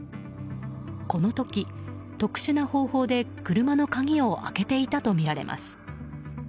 この時、特殊な方法で車の鍵を開けていたとみられます。